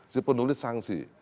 si penulis sangsi